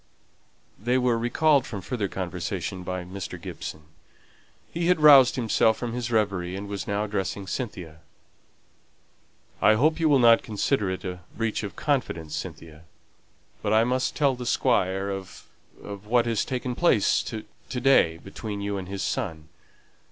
They were recalled from further conversation by Mr. Gibson. He had roused himself from his reverie, and was now addressing Cynthia. "I hope you will not consider it a breach of confidence, Cynthia, but I must tell the Squire of of what has taken place to day between you and his son.